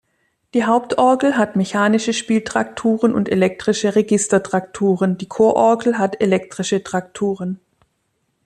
Die Hauptorgel hat mechanische Spieltrakturen und elektrische Registertrakturen, die Chororgel hat elektrische Trakturen.